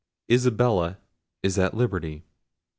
Isabella is at liberty."